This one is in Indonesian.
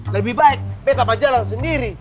lebih baik beta aja sendiri